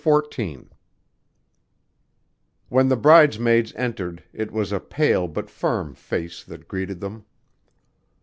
CHAPTER XIV When the bridesmaids entered it was a pale but firm face that greeted them.